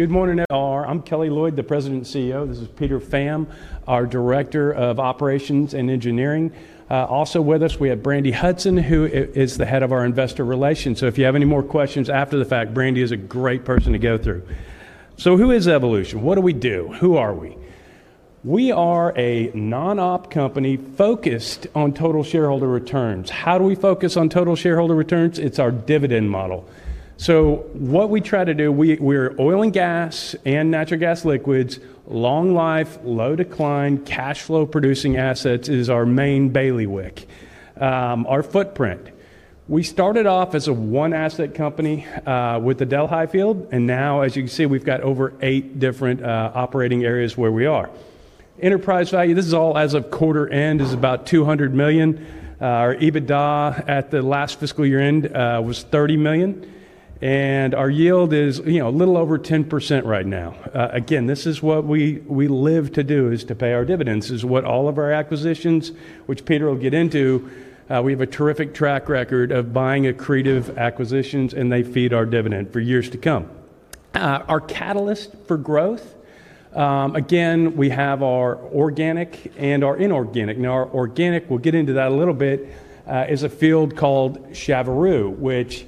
Good morning. I'm Kelly Loyd, the President and CEO. This is Peter Pham, our Director of Operations and Engineering. Also with us, we have Brandi Hudson, who is the Head of our Investor Relations. If you have any more questions after the fact, Brandi is a great person to go through. Who is Evolution? What do we do? Who are we? We are a non-op company focused on total shareholder returns. How do we focus on total shareholder returns? It's our dividend model. What we try to do, we're oil and gas and natural gas liquids, long-life, low-decline, cash flow producing assets is our main bailiwick. Our footprint. We started off as a one-asset company with the Dell High Field, and now, as you can see, we've got over eight different operating areas where we are. Enterprise value, this is all as of quarter end, is about $200 million. Our EBITDA at the last fiscal year end was $30 million. Our yield is a little over 10% right now. This is what we live to do, is to pay our dividends. This is what all of our acquisitions, which Peter will get into, we have a terrific track record of buying accretive acquisitions, and they feed our dividend for years to come. Our catalyst for growth, we have our organic and our inorganic. Our organic, we'll get into that a little bit, is a field called Chevreux, which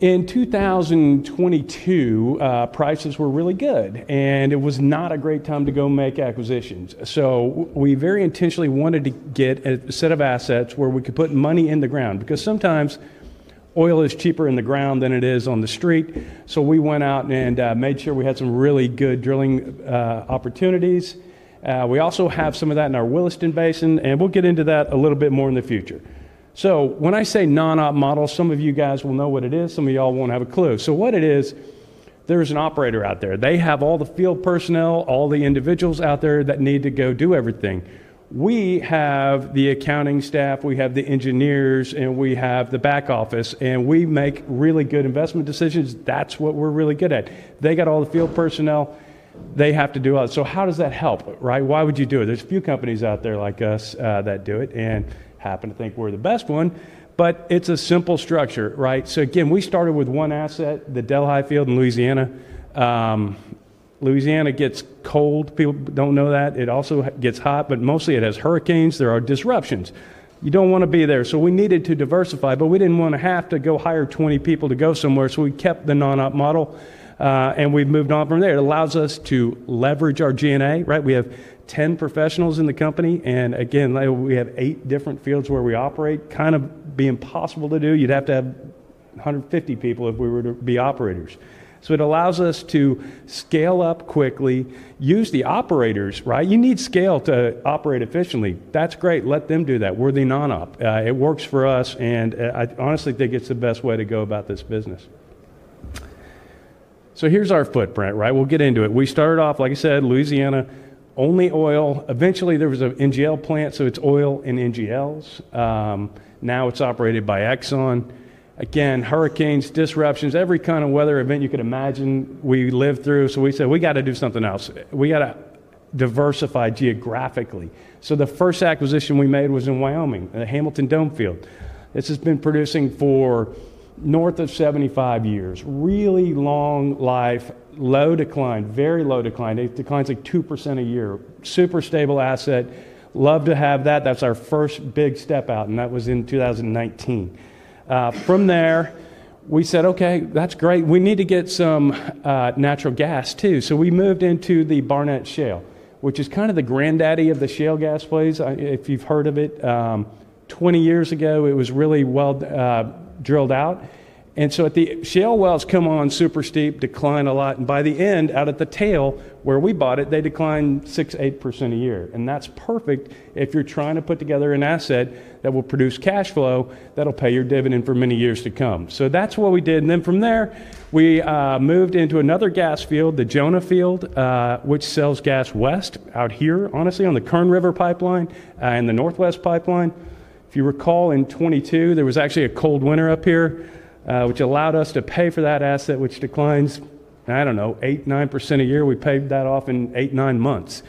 in 2022, prices were really good, and it was not a great time to go make acquisitions. We very intentionally wanted to get a set of assets where we could put money in the ground because sometimes oil is cheaper in the ground than it is on the street. We went out and made sure we had some really good drilling opportunities. We also have some of that in our Williston Basin, and we'll get into that a little bit more in the future. When I say non-op model, some of you guys will know what it is, some of you all won't have a clue. What it is, there is an operator out there. They have all the field personnel, all the individuals out there that need to go do everything. We have the accounting staff, we have the engineers, and we have the back office, and we make really good investment decisions. That's what we're really good at. They got all the field personnel, they have to do all that. How does that help? Why would you do it? There are a few companies out there like us that do it and happen to think we're the best one, but it's a simple structure. We started with one asset, the Dell High Field in Louisiana. Louisiana gets cold, people don't know that. It also gets hot, but mostly it has hurricanes, there are disruptions. You don't want to be there. We needed to diversify, but we didn't want to have to go hire 20 people to go somewhere, so we kept the non-op model, and we've moved on from there. It allows us to leverage our GNA. We have 10 professionals in the company, and again, we have eight different fields where we operate, kind of be impossible to do. You'd have to have 150 people if we were to be operators. It allows us to scale up quickly, use the operators. You need scale to operate efficiently. That's great, let them do that. We're the non-op. It works for us, and I honestly think it's the best way to go about this business. Here's our footprint. We'll get into it. We started off, like I said, Louisiana, only oil. Eventually, there was an NGL plant, so it's oil and NGLs. Now it's operated by Exxon. Again, hurricanes, disruptions, every kind of weather event you could imagine, we lived through, so we said we got to do something else. We got to diversify geographically. The first acquisition we made was in Wyoming, the Hamilton Dome Field. This has been producing for north of 75 years, really long life, low decline, very low decline. It declines like 2% a year. Super stable asset. Love to have that. That's our first big step out, and that was in 2019. From there, we said, okay, that's great. We need to get some natural gas too. We moved into the Barnett Shale, which is kind of the granddaddy of the shale gas place. If you've heard of it, 20 years ago, it was really well drilled out. The shale wells come on super steep, decline a lot, and by the end, out at the tail, where we bought it, they declined 6%, 8% a year. That's perfect if you're trying to put together an asset that will produce cash flow that'll pay your dividend for many years to come. That's what we did. From there, we moved into another gas field, the Jonah Field, which sells gas west out here, honestly, on the Kern River pipeline and the Northwest pipeline. If you recall, in 2022, there was actually a cold winter up here, which allowed us to pay for that asset, which declines, I don't know, 8%, 9% a year. We paid that off in eight, nine months.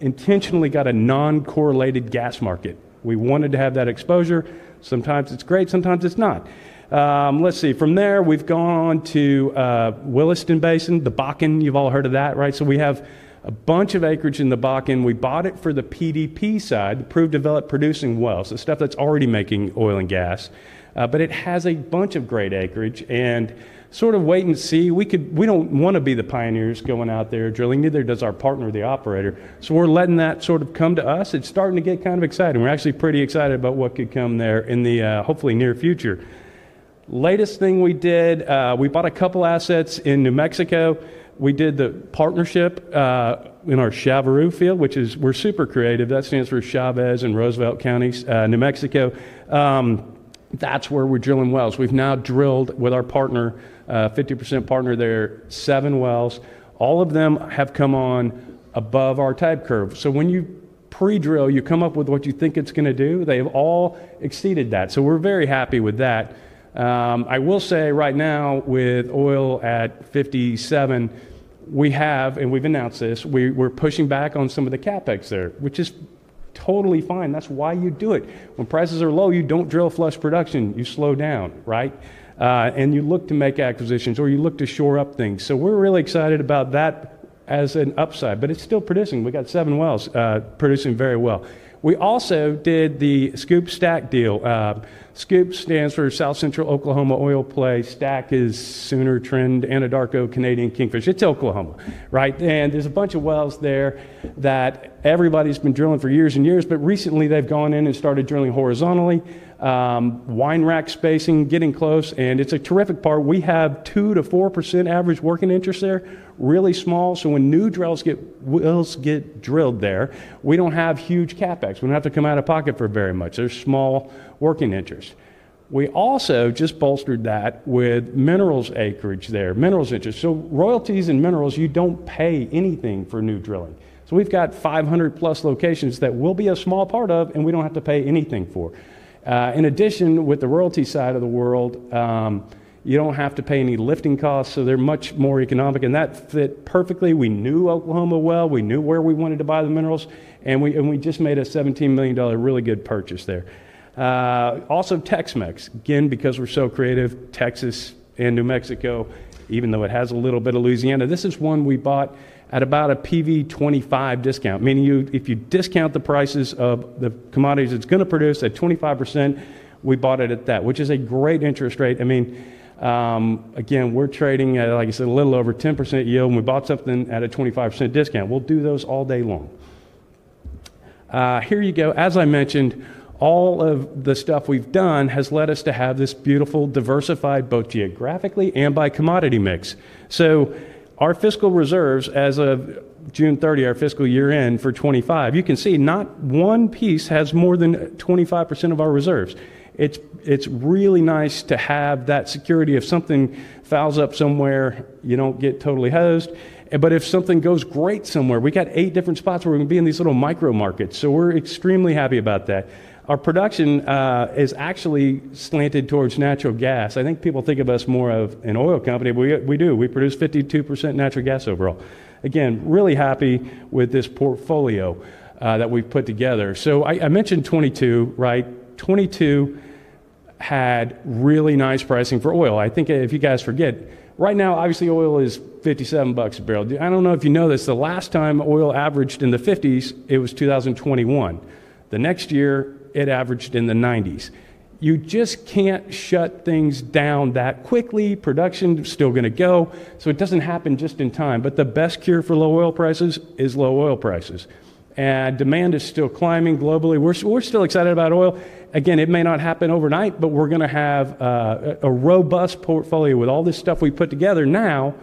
Intentionally got a non-correlated gas market. We wanted to have that exposure. Sometimes it's great, sometimes it's not. From there, we've gone on to Williston Basin, the Bakken. You've all heard of that, right? We have a bunch of acreage in the Williston Basin (Bakken). We bought it for the PDP side, the proved developed producing wells, the stuff that's already making oil and gas, but it has a bunch of great acreage and sort of wait and see. We don't want to be the pioneers going out there drilling, neither does our partner or the operator. We're letting that sort of come to us. It's starting to get kind of exciting. We're actually pretty excited about what could come there in the hopefully near future. Latest thing we did, we bought a couple assets in New Mexico. We did the partnership in our Chevreux Field, which is, we're super creative. That stands for Chavez and Roosevelt Counties, New Mexico. That's where we're drilling wells. We've now drilled with our partner, 50% partner there, seven wells. All of them have come on above our type curve. When you pre-drill, you come up with what you think it's going to do. They've all exceeded that. We're very happy with that. I will say right now, with oil at $57, we have, and we've announced this, we're pushing back on some of the CapEx there, which is totally fine. That's why you do it. When prices are low, you don't drill flush production. You slow down, right? You look to make acquisitions, or you look to shore up things. We're really excited about that as an upside, but it's still producing. We got seven wells producing very well. We also did the SCOOP/STACK deal. SCOOP stands for South Central Oklahoma Oil Province. STACK is Sooner Trend Anadarko Canadian Kingfisher. It's Oklahoma. There are a bunch of wells there that everybody's been drilling for years and years, but recently they've gone in and started drilling horizontally. Wine rack spacing, getting close, and it's a terrific part. We have 2%-4% average working interest there, really small. When new wells get drilled there, we don't have huge CapEx. We don't have to come out of pocket for very much. There's small working interest. We also just bolstered that with minerals acreage there, minerals interest. Royalties and minerals, you don't pay anything for new drilling. We've got 500 plus locations that we'll be a small part of, and we don't have to pay anything for. In addition, with the royalty side of the world, you don't have to pay any lifting costs, so they're much more economic, and that fit perfectly. We knew Oklahoma well, we knew where we wanted to buy the minerals, and we just made a $17 million really good purchase there. Also, Tex-Mex. Again, because we're so creative, Texas and New Mexico, even though it has a little bit of Louisiana, this is one we bought at about a PV 25 discount, meaning if you discount the prices of the commodities it's going to produce at 25%, we bought it at that, which is a great interest rate. I mean, again, we're trading at, like I said, a little over 10% yield, and we bought something at a 25% discount. We'll do those all day long. Here you go. As I mentioned, all of the stuff we've done has led us to have this beautiful diversified both geographically and by commodity mix. Our fiscal reserves as of June 30, our fiscal year end for 2025, you can see not one piece has more than 25% of our reserves. It's really nice to have that security if something fouls up somewhere, you don't get totally hosed. If something goes great somewhere, we got eight different spots where we can be in these little micro markets. We're extremely happy about that. Our production is actually slanted towards natural gas. I think people think of us more of an oil company, but we do. We produce 52% natural gas overall. Again, really happy with this portfolio that we've put together. I mentioned 2022, right? 2022 had really nice pricing for oil. I think if you guys forget, right now, obviously oil is $57 a barrel. I don't know if you know this, the last time oil averaged in the $50s, it was 2021. The next year, it averaged in the $90s. You just can't shut things down that quickly. Production is still going to go. It doesn't happen just in time. The best cure for low oil prices is low oil prices. Demand is still climbing globally. We're still excited about oil. It may not happen overnight, but we're going to have a robust portfolio with all this stuff we put together now.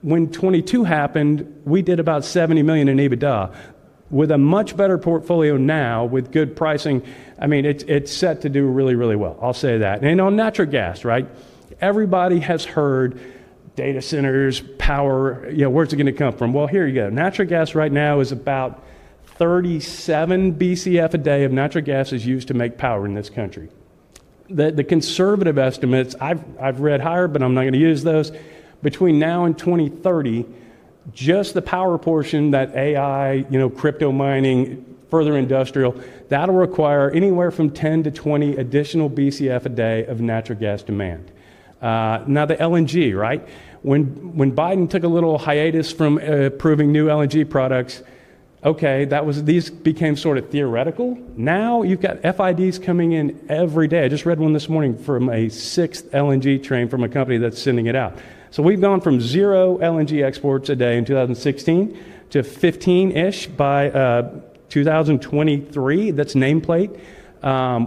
When 2022 happened, we did about $70 million in EBITDA with a much better portfolio now with good pricing. I mean, it's set to do really, really well. I'll say that. On natural gas, right? Everybody has heard data centers, power, where's it going to come from? Here you go. Natural gas right now is about 37 BCF a day of natural gas is used to make power in this country. The conservative estimates, I've read higher, but I'm not going to use those. Between now and 2030, just the power portion that AI, crypto mining, further industrial, that'll require anywhere from 10 to 20 additional BCF a day of natural gas demand. Now the LNG, right? When Biden took a little hiatus from approving new LNG projects, these became sort of theoretical. Now you've got FIDs coming in every day. I just read one this morning from a sixth LNG train from a company that's sending it out. We've gone from zero LNG exports a day in 2016 to 15-ish by 2023. That's nameplate.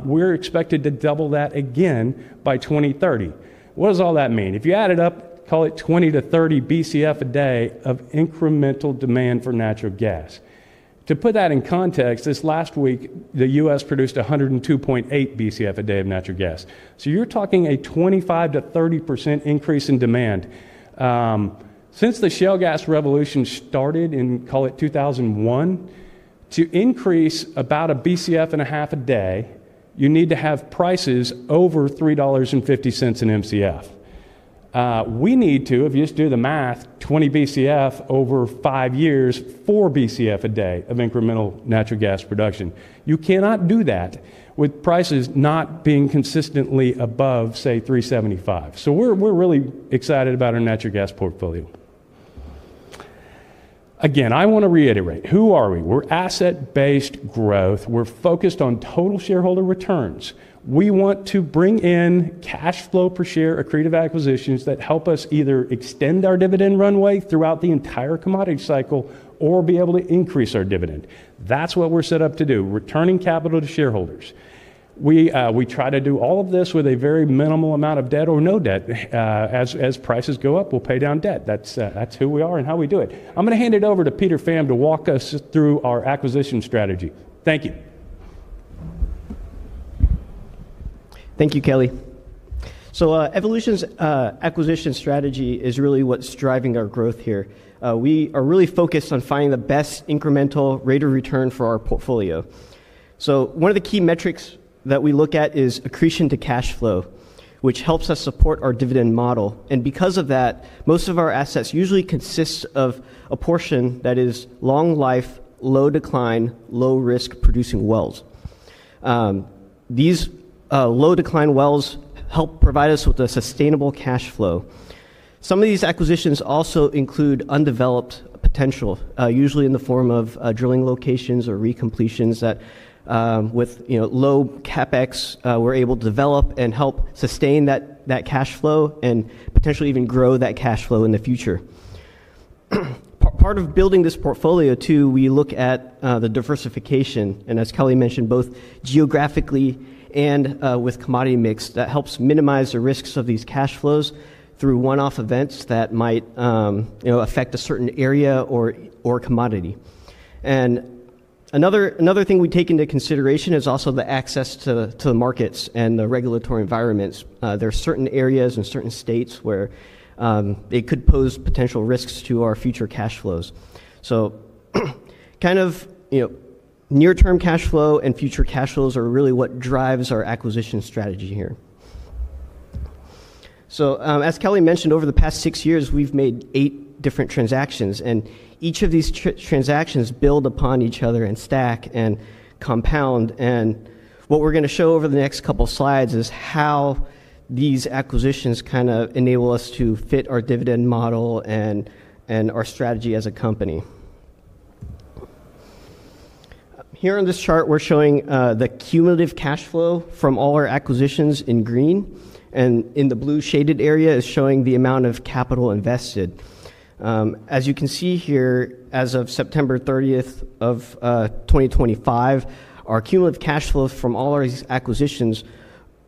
We're expected to double that again by 2030. What does all that mean? If you add it up, call it 20-30 BCF a day of incremental demand for natural gas. To put that in context, this last week, the U.S. produced 102.8 BCF a day of natural gas. You're talking a 25%-30% increase in demand. Since the shale gas revolution started in, call it, 2001, to increase about a BCF and a half a day, you need to have prices over $3.50 an MCF. If you just do the math, 20 BCF over five years, four BCF a day of incremental natural gas production. You cannot do that with prices not being consistently above, say, $3.75. We're really excited about our natural gas portfolio. Again, I want to reiterate, who are we? We're asset-based growth. We're focused on total shareholder returns. We want to bring in cash flow per share accretive acquisitions that help us either extend our dividend runway throughout the entire commodity cycle or be able to increase our dividend. That's what we're set up to do, returning capital to shareholders. We try to do all of this with a very minimal amount of debt or no debt. As prices go up, we'll pay down debt. That's who we are and how we do it. I'm going to hand it over to Peter Pham to walk us through our acquisition strategy. Thank you. Thank you, Kelly. Evolution Petroleum's acquisition strategy is really what's driving our growth here. We are really focused on finding the best incremental rate of return for our portfolio. One of the key metrics that we look at is accretion to cash flow, which helps us support our dividend model. Because of that, most of our assets usually consist of a portion that is long-life, low-decline, low-risk producing wells. These low-decline wells help provide us with a sustainable cash flow. Some of these acquisitions also include undeveloped potential, usually in the form of drilling locations or recompletions that with low CapEx, we're able to develop and help sustain that cash flow and potentially even grow that cash flow in the future. Part of building this portfolio too, we look at the diversification. As Kelly mentioned, both geographically and with commodity mix, that helps minimize the risks of these cash flows through one-off events that might affect a certain area or commodity. Another thing we take into consideration is also the access to the markets and the regulatory environments. There are certain areas and certain states where it could pose potential risks to our future cash flows. Near-term cash flow and future cash flows are really what drives our acquisition strategy here. As Kelly mentioned, over the past six years, we've made eight different transactions. Each of these transactions build upon each other and stack and compound. What we're going to show over the next couple of slides is how these acquisitions kind of enable us to fit our dividend model and our strategy as a company. Here on this chart, we're showing the cumulative cash flow from all our acquisitions in green. In the blue shaded area, it's showing the amount of capital invested. As you can see here, as of September 30, 2025, our cumulative cash flow from all our acquisitions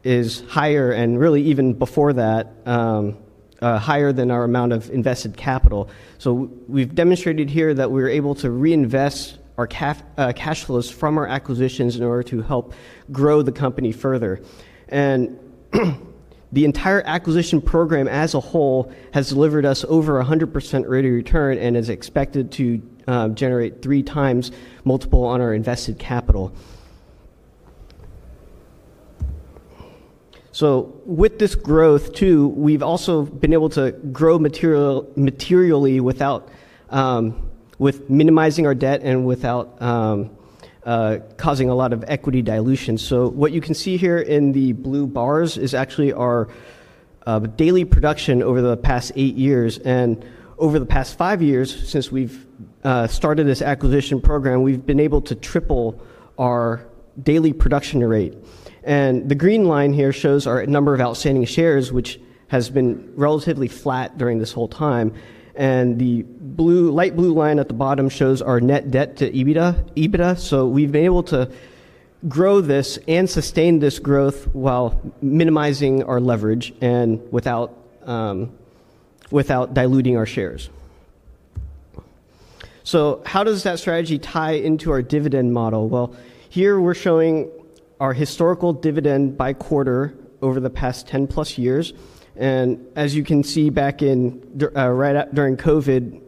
is higher, and really even before that, higher than our amount of invested capital. We've demonstrated here that we're able to reinvest our cash flows from our acquisitions in order to help grow the company further. The entire acquisition program as a whole has delivered us over 100% rate of return and is expected to generate three times multiple on our invested capital. With this growth too, we've also been able to grow materially with minimizing our debt and without causing a lot of equity dilution. What you can see here in the blue bars is actually our daily production over the past eight years. Over the past five years, since we've started this acquisition program, we've been able to triple our daily production rate. The green line here shows our number of outstanding shares, which has been relatively flat during this whole time. The light blue line at the bottom shows our net debt to EBITDA. We've been able to grow this and sustain this growth while minimizing our leverage and without diluting our shares. How does that strategy tie into our dividend model? Here we're showing our historical dividend by quarter over the past 10+ years. As you can see, right during COVID,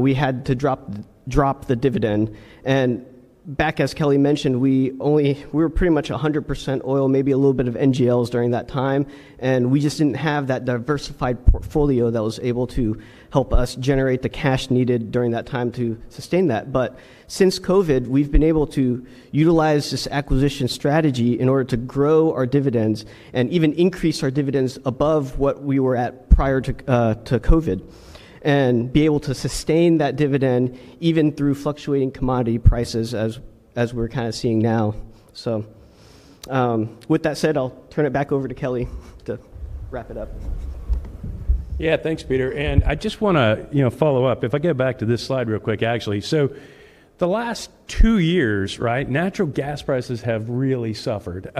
we had to drop the dividend. Back, as Kelly mentioned, we were pretty much 100% oil, maybe a little bit of NGLs during that time. We just didn't have that diversified portfolio that was able to help us generate the cash needed during that time to sustain that. Since COVID, we've been able to utilize this acquisition strategy in order to grow our dividends and even increase our dividends above what we were at prior to COVID and be able to sustain that dividend even through fluctuating commodity prices as we're kind of seeing now. With that said, I'll turn it back over to Kelly to wrap it up. Yeah, thanks, Peter. I just want to follow up. If I get back to this slide real quick, actually. The last two years, right, natural gas prices have really suffered,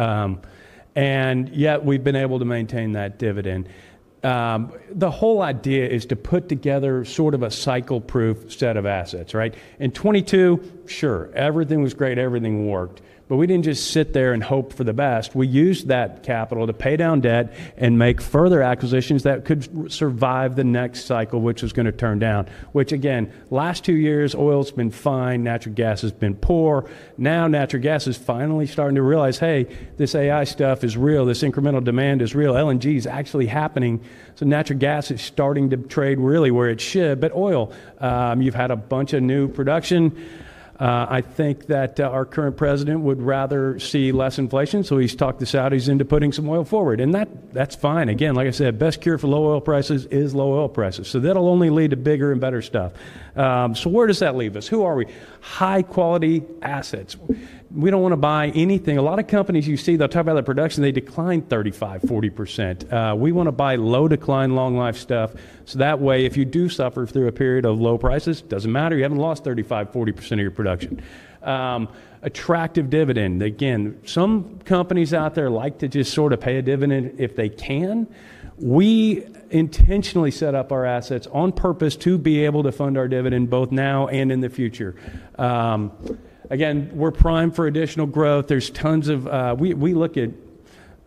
and yet we've been able to maintain that dividend. The whole idea is to put together sort of a cycle-proof set of assets, right? In 2022, sure, everything was great, everything worked. We didn't just sit there and hope for the best. We used that capital to pay down debt and make further acquisitions that could survive the next cycle, which was going to turn down. The last two years, oil's been fine, natural gas has been poor. Now natural gas is finally starting to realize, hey, this AI stuff is real, this incremental demand is real, LNG is actually happening. Natural gas is starting to trade really where it should, but oil, you've had a bunch of new production. I think that our current president would rather see less inflation, so he's talked the Saudis into putting some oil forward. That's fine. Like I said, best cure for low oil prices is low oil prices. That'll only lead to bigger and better stuff. Where does that leave us? Who are we? High-quality assets. We don't want to buy anything. A lot of companies you see, they'll talk about their production, they decline 35%, 40%. We want to buy low-decline, long-life stuff. That way, if you do suffer through a period of low prices, it doesn't matter, you haven't lost 35%, 40% of your production. Attractive dividend. Some companies out there like to just sort of pay a dividend if they can. We intentionally set up our assets on purpose to be able to fund our dividend both now and in the future. We're primed for additional growth. There's tons of, we look at,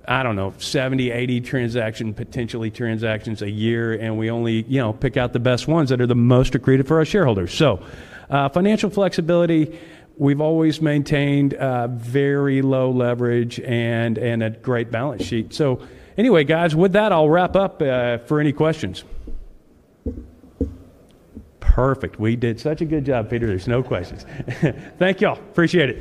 I don't know, 70, 80 transactions, potential transactions a year, and we only pick out the best ones that are the most accretive for our shareholders. Financial flexibility, we've always maintained very low leverage and a great balance sheet. Anyway, guys, with that, I'll wrap up for any questions. Perfect. We did such a good job, Peter. There's no questions. Thank you all. Appreciate it.